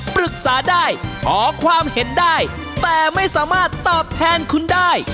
ปรึกษาได้ขอความเห็นได้แต่ไม่สามารถตอบแทนคุณได้